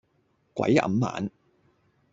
鬼揞眼